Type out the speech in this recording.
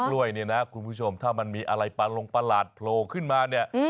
กล้วยเนี่ยนะคุณผู้ชมถ้ามันมีอะไรปลาลงประหลาดโผล่ขึ้นมาเนี่ย